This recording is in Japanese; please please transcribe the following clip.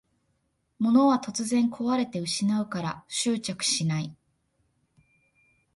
物は突然こわれて失うから執着しない